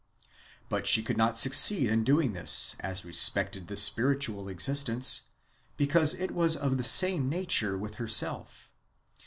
But she could not succeed in doing this as respected the spiritual existence, because it was of the same nature with herself.